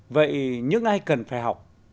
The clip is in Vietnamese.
vậy nhưng ai cần phải học